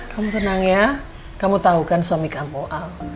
kamu tenang ya kamu tahu kan suami kamu